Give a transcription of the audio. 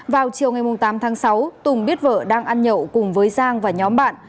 vào chiều ngày tám tháng sáu tùng biết vợ đang ăn nhậu cùng với giang và nhóm bạn